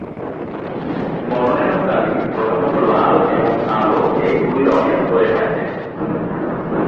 মনসা চালি প্রধানত লাল এবং কালো এই দুটি রঙের হয়ে থাকে।